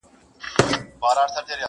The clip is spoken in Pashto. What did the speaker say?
پلار ویل زویه دلته نر هغه سړی دی،